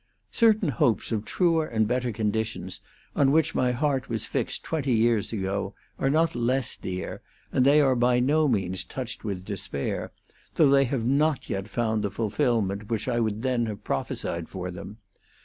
Certain hopes of truer and better conditions on which my heart was fixed twenty years ago are not less dear, and they are by no means touched with despair, though they have not yet found the fulfilment which I would then have prophesied for them.